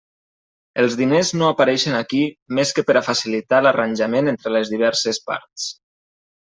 Els diners no apareixen aquí més que per a facilitar l'arranjament entre les diverses parts.